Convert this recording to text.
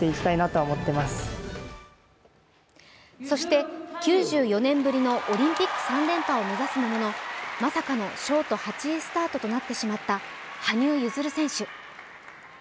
そして、９４年ぶりのオリンピック３連覇を目指すもののまさかのショート８位スタートとなってしまった羽生結弦選手。